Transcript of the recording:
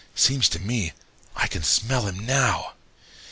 Seems to me I can smell him now.